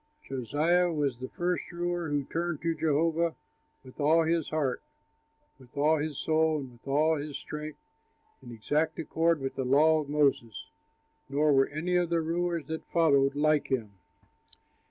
Josiah was the first ruler who turned to Jehovah with all his heart, with all his soul, and with all his strength in exact accord with the law of Moses, nor were any of the rulers that followed like him.